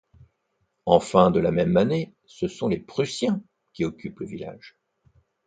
En juin de la même année ce sont les Prussiens qui occupent le village.